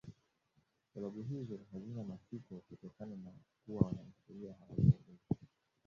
Sababu hizo hazina mashiko kutokana na kuwa wanahistoria hawajaeleza